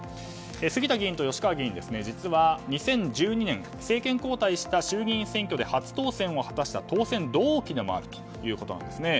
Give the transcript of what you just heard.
杉田議員と吉川議員は２０１２年政権交代した衆議院選挙で初当選を果たした当選同期でもあるということです。